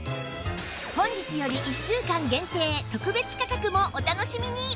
本日より１週間限定特別価格もお楽しみに！